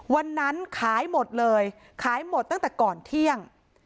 วันนั้นขายหมดเลยขายหมดตั้งแต่ก่อนเที่ยง